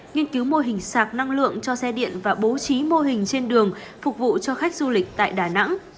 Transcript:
nghiên cứu mô hình sạc năng lượng cho xe điện và bố trí mô hình trên đường phục vụ cho khách du lịch tại đà nẵng